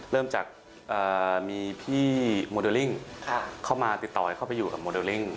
เริ่มจากมีพี่โมเดลลิ่งเข้ามาติดต่อให้เข้าไปอยู่กับโมเดลลิ่ง